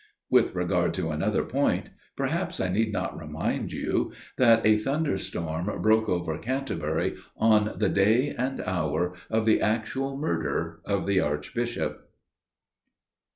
"With regard to another point, perhaps I need not remind you that a thunderstorm broke over Canterbury on the day and hour of the actual murder of the Archbishop."